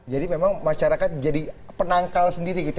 jadi memang masyarakat jadi penangkal sendiri gitu ya